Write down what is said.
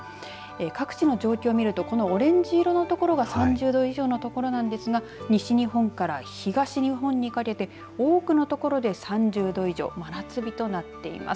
各地の状況を見るとオレンジ色の所が３０度以上の所なんですが西日本から東日本にかけて多くの所で３０度以上真夏日となっています。